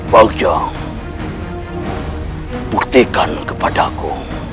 baucar buktikan kepada aku